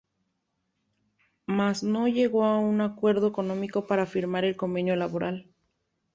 Mas no llegó a un acuerdo económico para firmar el convenio laboral.